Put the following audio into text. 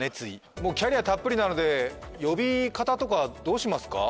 もうキャリアたっぷりなので呼び方とかどうしますか？